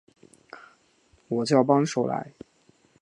我叫帮手来